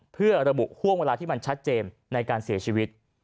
เพื่อระบุห่วงเวลาที่มันชัดเจนในการเสียชีวิต